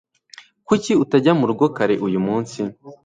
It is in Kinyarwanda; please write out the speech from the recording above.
Kuki utajya murugo kare uyu munsi?